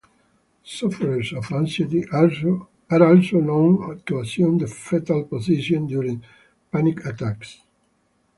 Sufferers of anxiety are also known to assume the fetal position during panic attacks.